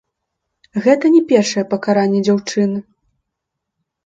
Гэта не першае пакаранне дзяўчыны.